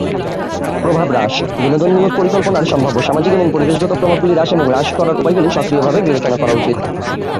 প্রভাব হ্রাস: বিনোদনমূলক পরিকল্পনার সম্ভাব্য সামাজিক এবং পরিবেশগত প্রভাবগুলি হ্রাস এবং হ্রাস করার উপায়গুলি সক্রিয়ভাবে বিবেচনা করা উচিত।